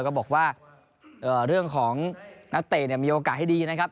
ก็บอกว่าเรื่องของนักเตะมีโอกาสให้ดีนะครับ